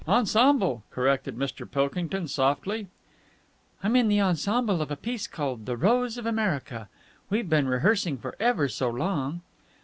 "Ensemble," corrected Mr. Pilkington softly. "I'm in the ensemble of a piece called 'The Rose of America.' We've been rehearsing for ever so long."